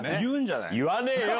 言わねえよ！